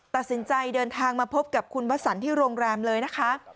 ตัดสินใจเดินทางมาพบกับคุณวสันที่โรงแรมเลยนะคะ